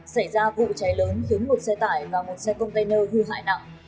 xảy ra vụ cháy lớn khiến một xe tải và một xe container hư hại nặng